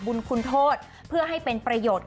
บุญคุณโทษเพื่อให้เป็นประโยชน์